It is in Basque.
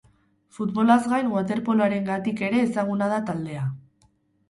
Futbolaz gain waterpoloarengatik ere ezaguna da taldea.